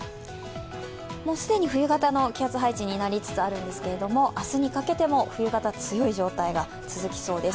もう既に冬型の気圧配置になりつつあるんですけど、明日にかけても冬型が強い状態が続きそうです。